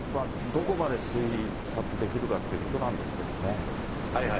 どこまで推察できるかということなんですけどね。